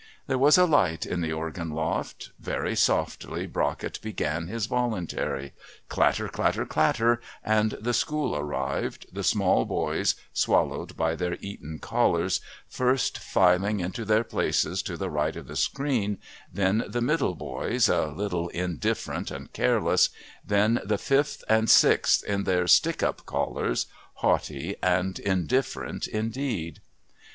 There was a light in the organ loft; very softly Brockett began his voluntary clatter, clatter, clatter, and the School arrived, the small boys, swallowed by their Eton collars, first, filing into their places to the right of the screen, then the middle boys, a little indifferent and careless, then the Fifth and Sixth in their "stick up" collars, haughty and indifferent indeed.